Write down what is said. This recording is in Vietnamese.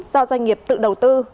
do doanh nghiệp tự đầu tư